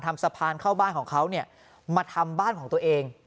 สะพานเข้าบ้านของเขาเนี่ยมาทำบ้านของตัวเอง